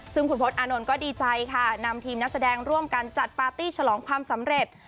ซึ่งคุณพศอานนท์ก็ดีใจค่ะนำทีมนักแสดงร่วมกันจัดปาร์ตี้ฉลองความสำเร็จ